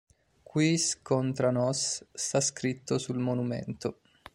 Quis contra nos, sta scritto sul monumento.